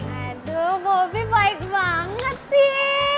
aduh bobi baik banget sih